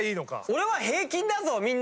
俺は平均だぞみんな！